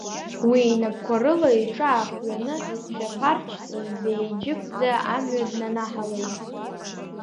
Уи, инапқәа рыла иҿы аахҩаны, хьаԥарчҵас деиџьыԥӡа, амҩа днанаҳалеит.